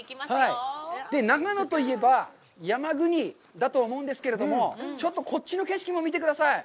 長野といえば、山国だと思うんですけども、ちょっとこっちの景色も見てください。